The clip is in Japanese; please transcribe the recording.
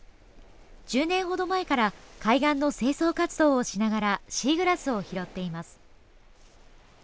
１０年ほど前から海岸の清掃活動をしながらシーグラスを拾っています。